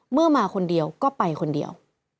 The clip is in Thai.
มาคนเดียวก็ไปคนเดียว